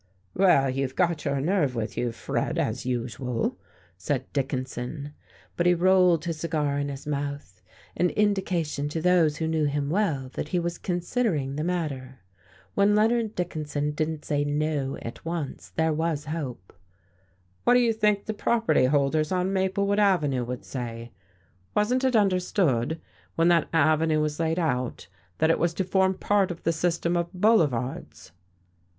"Well, you've got your nerve with you, Fred, as usual," said Dickinson. But he rolled his cigar in his mouth, an indication, to those who knew him well, that he was considering the matter. When Leonard Dickinson didn't say "no" at once, there was hope. "What do you think the property holders on Maplewood Avenue would say? Wasn't it understood, when that avenue was laid out, that it was to form part of the system of boulevards?"